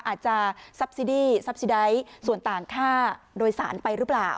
อาจจะซับซีดี้ทรัพย์ซีไดท์ส่วนต่างค่าโดยสารไปหรือเปล่า